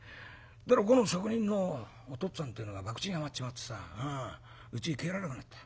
この職人のお父っつぁんてえのがばくちにハマっちまってさうちに帰らなくなった。